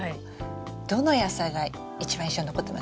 どの野菜が一番印象に残ってます？